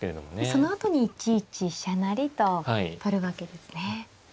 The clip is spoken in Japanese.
そのあとに１一飛車成と取るわけですね。